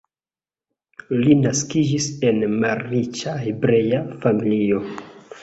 Li naskiĝis en malriĉa hebrea familio.